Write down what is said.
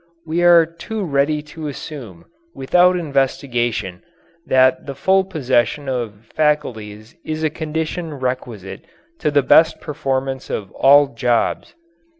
We are too ready to assume without investigation that the full possession of faculties is a condition requisite to the best performance of all jobs.